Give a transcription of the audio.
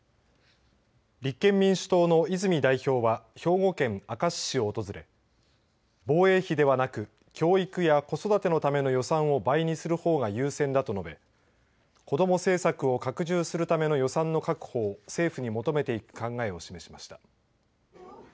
立憲民主党の泉代表は兵庫県明石市を訪れ防衛費ではなく教育や子育てのための予算を倍にするほうが優先だと述べ子ども政策を拡充するための予算の確保を政府に求めていく考えを示しました。